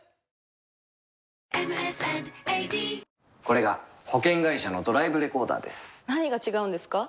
これが保険会社のドライブレコーダーです何が違うんですか？